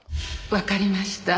わかりました。